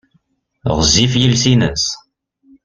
Ɣezzif yiles-nnes.